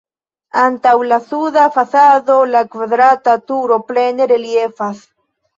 Antaŭ la suda fasado la kvadrata turo plene reliefas.